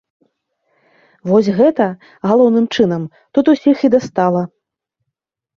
Вось гэта, галоўным чынам, тут усіх і дастала.